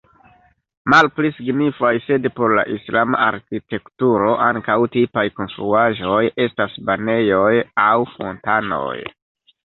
Malpli signifaj, sed por la islama arkitekturo ankaŭ tipaj konstruaĵoj, estas banejoj aŭ fontanoj.